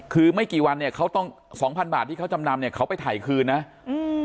คือไม่กี่วันเนี่ยเขาต้องสองพันบาทที่เขาจำนำเนี้ยเขาไปถ่ายคืนนะอืม